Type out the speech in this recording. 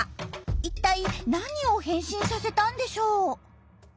一体何を変身させたんでしょう？